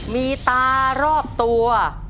มีตารอบตัว